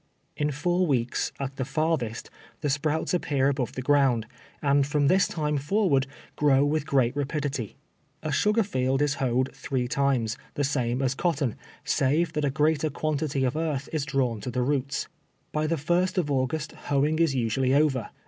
In four weeks, at the farthest, the sprouts appear above the ground, and from this time forward grow with great rapidity. A sugar field is hoed three times, the same as cotton, save that a greater quantity of earth is drawn to the roots. By the first of Au gust hoeing is usually over.